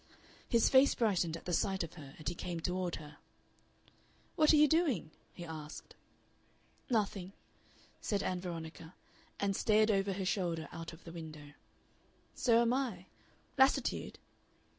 His face brightened at the sight of her, and he came toward her. "What are you doing?" he asked. "Nothing," said Ann Veronica, and stared over her shoulder out of the window. "So am I.... Lassitude?"